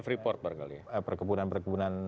freeport barangkali perkebunan perkebunan